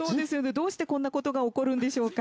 どうしてこんなことが起こるんでしょうか。